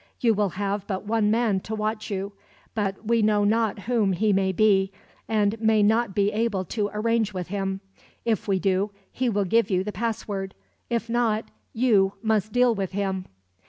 You will have but one man to watch you; but we know not whom he may be, and may not be able to arrange with him. If we do, he will give you the password. If not, you must deal with him.